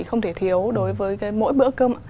không thể thiếu đối với mỗi bữa cơm